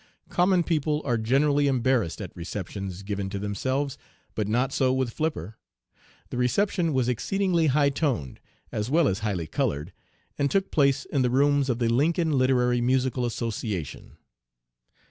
Common people are generally embarrassed at receptions given to themselves, but not so with Flipper. The reception was exceedingly high toned, as well as highly colored, and took place in the rooms of the 'Lincoln Literary Musical Association.'